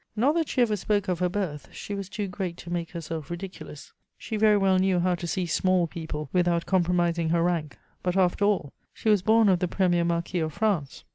Not that she ever spoke of her birth; she was too great to make herself ridiculous: she very well knew how to see "small people" without compromising her rank; but, after all, she was born of the Premier Marquis of France.